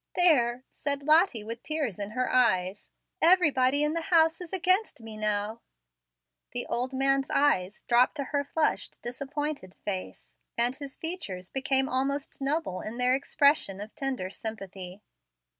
"There," said Lottie with tears in her eyes, "everybody in the house is against me now." The old man's eyes dropped to her flushed, disappointed face, and his features became almost noble in their expression of tender sympathy.